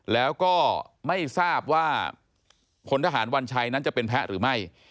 แล้วก็ไม่ทราบว่าพลทหารวัญชัยนั้นจะเป็นแพ้หรือไม่